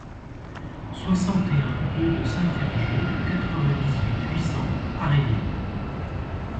soixante et un rue de Saint-Ferjeux, quatre-vingt-huit, huit cents, Haréville